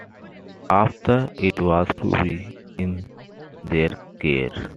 After, it was to be in their care.